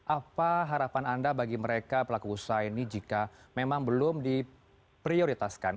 apa harapan anda bagi mereka pelaku usaha ini jika memang belum diprioritaskan